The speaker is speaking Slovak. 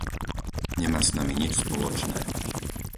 Nemá s nami nič spoločné.